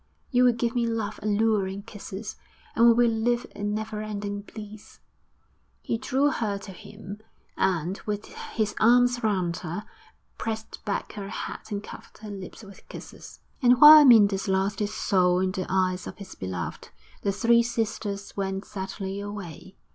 You will give me love alluring kisses, and we will live in never ending bliss.' He drew her to him, and, with his arms around her, pressed back her head and covered her lips with kisses. XIV And while Amyntas lost his soul in the eyes of his beloved, the three sisters went sadly away.